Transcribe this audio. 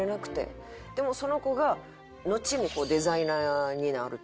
でもその子がのちにデザイナーになると。